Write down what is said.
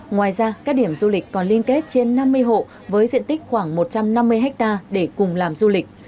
ngoài ra các điểm du lịch còn liên kết trên năm mươi hộ với diện tích khoảng một trăm năm mươi hectare để cùng làm du lịch